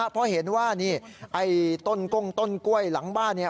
เพราะเห็นว่านี่ไอ้ต้นก้งต้นกล้วยหลังบ้านเนี่ย